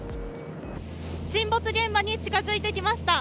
沈没現場に近づいてきました。